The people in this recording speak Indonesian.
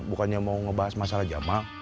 bukannya mau ngebahas masalah jamaah